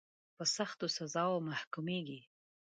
په سختو سزاوو محکومیږي.